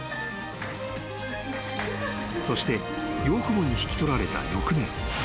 ［そして養父母に引き取られた翌年］